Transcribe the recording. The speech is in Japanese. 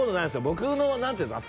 僕の何ていうんですか？